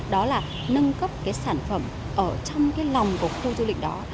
đó là nâng cấp cái sản phẩm ở trong cái lòng của khu du lịch đó